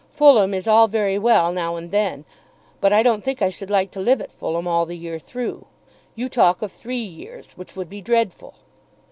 Fulham is all very well now and then, but I don't think I should like to live at Fulham all the year through. You talk of three years, which would be dreadful.